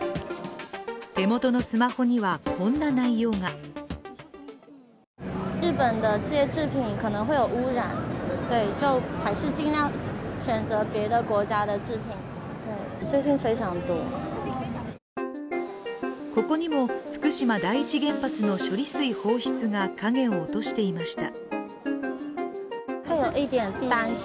手元のスマホにはこんな内容がここにも福島第一原発の処理水放出が影を落としていました。